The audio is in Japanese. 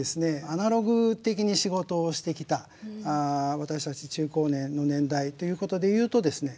アナログ的に仕事をしてきた私たち中高年の年代ということで言うとですね